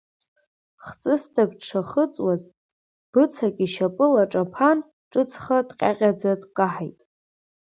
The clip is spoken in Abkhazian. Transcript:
Хҵысҭак дшахыҵуаз, быцак ишьапы илаҿаԥан, ҿыцха дҟьаҟьаӡа дкаҳаит.